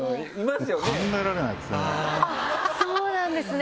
そうなんですね。